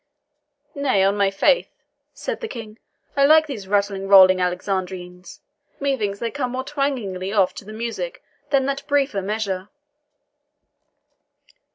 "Nay, on my faith," said the King, "I like these rattling, rolling Alexandrines. Methinks they come more twangingly off to the music than that briefer measure."